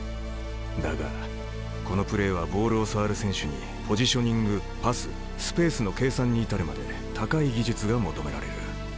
だがこのプレーはボールを触る選手にポジショニングパススペースの計算に至るまで高い技術が求められる。